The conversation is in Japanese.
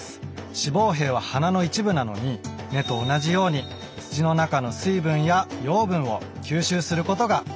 子房柄は花の一部なのに根と同じように土の中の水分や養分を吸収することができるんだそうです。